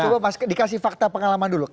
coba dikasih fakta pengalaman dulu